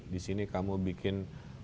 di sini kamu bikin